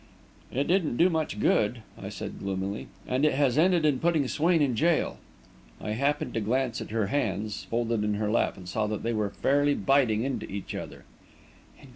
"It didn't do much good," I said, gloomily; "and it has ended in putting Swain in jail." I happened to glance at her hands, folded in her lap, and saw that they were fairly biting into each other.